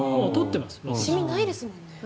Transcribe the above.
シミ、ないですもんね。